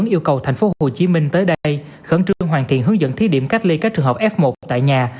yêu cầu tp hcm tới đây khẩn trương hoàn thiện hướng dẫn thí điểm cách ly các trường hợp f một tại nhà